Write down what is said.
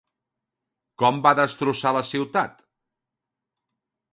Com va destrossar la ciutat?